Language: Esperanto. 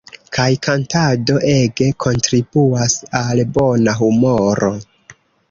Kaj kantado ege kontribuas al bona humoro.